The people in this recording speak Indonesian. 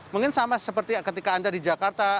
mungkin sama seperti ketika anda di jakarta